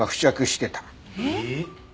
えっ？